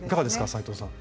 斉藤さん。